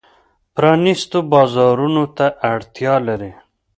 پرانیستو بازارونو ته اړتیا لري.